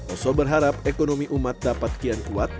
oso berharap ekonomi umat dapat kian kuat